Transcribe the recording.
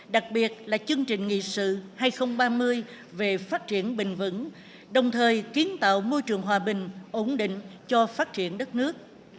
đặc biệt là chương trình nghị sự hai nghìn ba mươi về phát triển bình vững đồng thời kiến tạo môi trường hòa bình ổn định cho phát triển đất nước